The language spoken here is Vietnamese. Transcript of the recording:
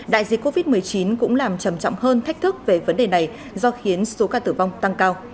đại dịch covid một mươi chín cũng làm trầm trọng hơn thách thức về vấn đề này do khiến số ca tử vong tăng cao